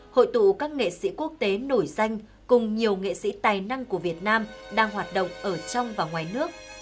hội tụ các nghệ sĩ quốc tế nổi danh cùng nhiều nghệ sĩ tài năng của việt nam đang hoạt động ở trong và ngoài nước